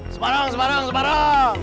semarang semarang semarang